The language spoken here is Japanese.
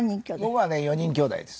僕はね４人きょうだいです。